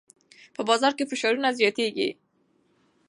په بازار کې فشارونه زیاتېږي.